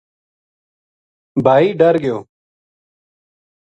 بھائی ڈر گیو